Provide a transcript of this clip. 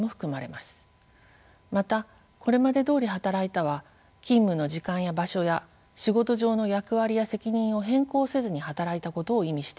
また「これまでどおり働いた」は勤務の時間や場所や仕事上の役割や責任を変更せずに働いたことを意味しています。